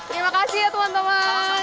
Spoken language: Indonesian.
terima kasih ya teman teman